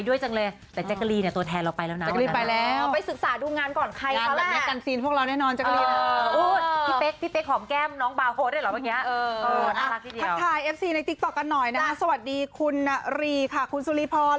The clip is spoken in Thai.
สวัสดีคุณรีค่ะคุณสุรีพร